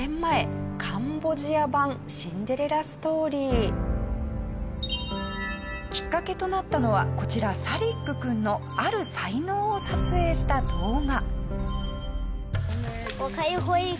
続いてはきっかけとなったのはこちらサリック君のある才能を撮影した動画。